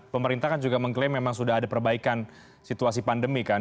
pemerintah kan juga mengklaim memang sudah ada perbaikan situasi pandemi kan